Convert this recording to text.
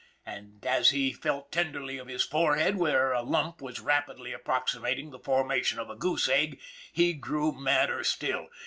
And as he felt tenderly of his forehead, where a lump was rapidly approximating the formation of a goose egg, he grew madder still.